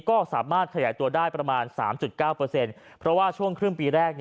ก็สามารถขยายตัวได้ประมาณ๓๙เพราะว่าช่วงครึ่งปีแรก